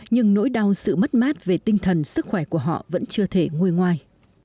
nhưng nỗi đau sự mất mát về tinh thần sức khỏe của họ vẫn chưa thể ngôi ngoài